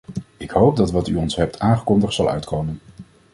Ik hoop dat wat u ons hebt aangekondigd zal uitkomen.